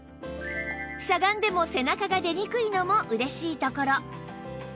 しゃがんでも背中が出にくいのも嬉しいところ